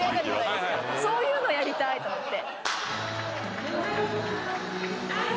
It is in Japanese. そういうのやりたいと思って。